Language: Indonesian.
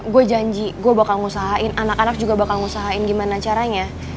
gue janji gue bakal ngusahain anak anak juga bakal ngusahain gimana caranya